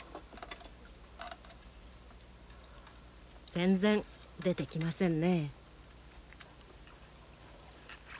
全然出てきませんね。